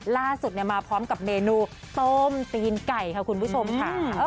ล่าสุดมาพร้อมกับเมนูต้มตีนไก่ค่ะคุณผู้ชมค่ะ